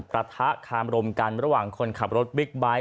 ประทะคามรมกันระหว่างคนขับรถบิ๊กไบท์